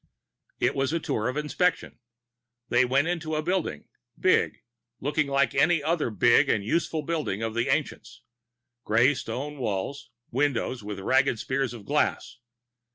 It was a tour of inspection. They went into a building, big, looking like any other big and useful building of the ancients, gray stone walls, windows with ragged spears of glass.